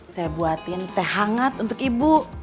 saya buatin teh hangat untuk ibu